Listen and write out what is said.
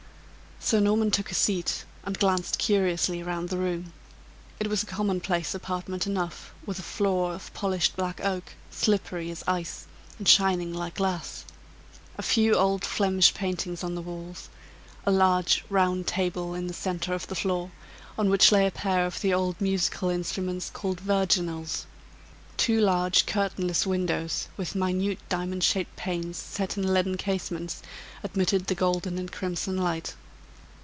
Sir Norman took a seat, and glanced curiously round the room. It was a common place apartment enough, with a floor of polished black oak, slippery as ice, and shining like glass; a few old Flemish paintings on the walls; a large, round table in the centre of the floor, on which lay a pair of the old musical instruments called "virginals." Two large, curtainless windows, with minute diamond shaped panes, set in leaden casements, admitted the golden and crimson light.